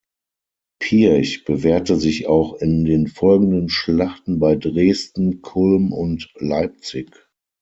Pirch bewährte sich auch in den folgenden Schlachten bei Dresden, Kulm und Leipzig.